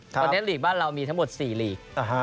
ตอนนี้หลีกบ้านเรามีทั้งหมด๔หลีก